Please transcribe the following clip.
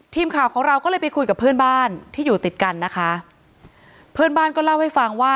ทีมข่าวของเราก็เลยไปคุยกับเพื่อนบ้านที่อยู่ติดกันนะคะเพื่อนบ้านก็เล่าให้ฟังว่า